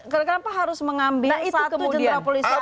kenapa harus mengambil satu jenderal polisi